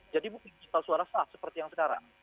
jadi mungkin digital suara sah seperti yang sekarang